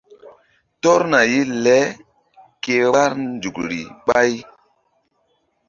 Tɔrna ye le ke vbár nzukri ɓáy.